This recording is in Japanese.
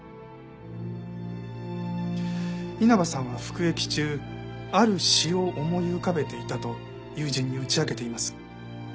稲葉さんは服役中ある詩を思い浮かべていたと友人に打ち明けています。